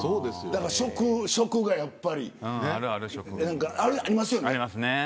だから食がやっぱりありますよね。